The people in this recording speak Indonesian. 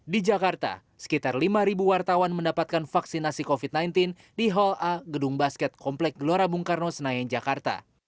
di jakarta sekitar lima wartawan mendapatkan vaksinasi covid sembilan belas di hall a gedung basket komplek gelora bung karno senayan jakarta